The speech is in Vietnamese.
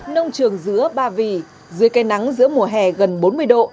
nông trường giữa ba vì dưới cây nắng giữa mùa hè gần bốn mươi độ